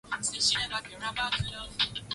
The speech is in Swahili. Aliumwa na nyoka